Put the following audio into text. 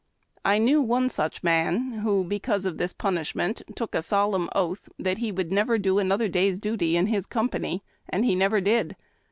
I knew one such man, who, because of this punishment, took a solemn oath that he would never do another day's duty in his company ; and he never did.